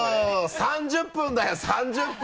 ３０分ダヨ３０分。